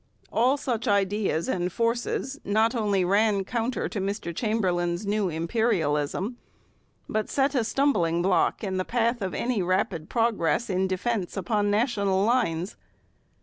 All such ideas and forces not only ran counter to Mr Chamberlain's new imperialism, but set a stumbling block in the path of any rapid progress in defence upon national lines.